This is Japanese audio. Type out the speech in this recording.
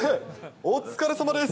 お疲れさまです。